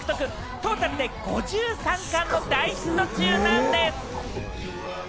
トータルで５３冠の大ヒット中なんです。